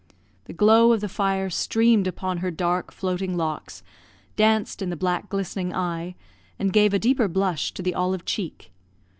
The glow of the fire streamed upon her dark, floating locks, danced in the black, glistening eye, and gave a deeper blush to the olive cheek!